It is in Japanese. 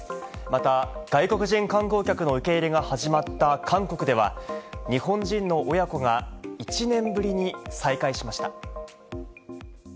また、外国人観光客の受け入れが始まった韓国では、日本人の親子が１年ぶりに再会しました。